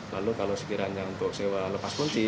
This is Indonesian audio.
lalu kalau sekiranya untuk sewa lepas kunci